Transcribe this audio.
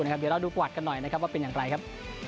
เดี๋ยวเราดูกวัดกันหน่อยว่าเป็นอย่างไรครับ